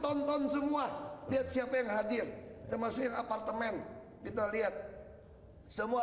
tonton semua lihat siapa yang hadir termasuk yang apartemen kita lihat semua